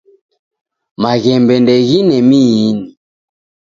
Maghembe ndeghine miini.